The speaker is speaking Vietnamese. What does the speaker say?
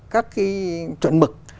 các cái chuẩn mực